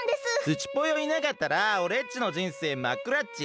ズチぽよいなかったらおれっちのじんせいまっくらっち。